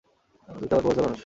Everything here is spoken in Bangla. তুই তো আবার প্রফেসর মানুষ।